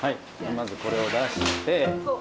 まずこれを出して。